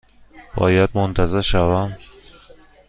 باید منتظر شوم؟